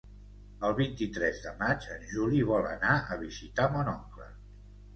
El vint-i-tres de maig en Juli vol anar a visitar mon oncle.